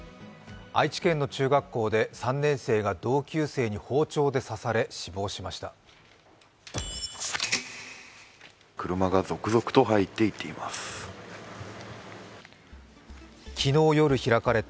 愛知県の中学校で３年生が同級生に包丁で刺され死亡しました。